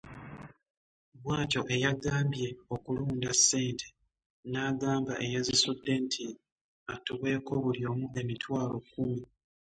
Bwatyo eyagambye okulonda sente nagamba eyazisudde nti atuweeko buli omu emitwalo kkumi .